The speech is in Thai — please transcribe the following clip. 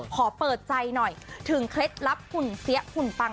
ขอเปิดใจหน่อยถึงเคล็ดลับหุ่นเสียหุ่นปัง